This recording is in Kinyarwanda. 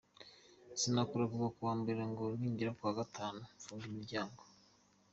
Sinakora kuva ku wa mbere ngo ningera ku wa gatanu mfunge imiryango.